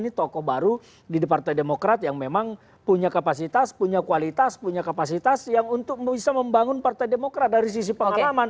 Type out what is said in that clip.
ini tokoh baru di partai demokrat yang memang punya kapasitas punya kualitas punya kapasitas yang untuk bisa membangun partai demokrat dari sisi pengalaman